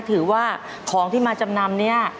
ถือว่าของที่มาจำนำเนี่ย